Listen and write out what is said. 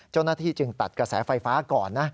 เจ้าหน้าที่จึงตัดกระแสไฟฟ้าก่อนนะ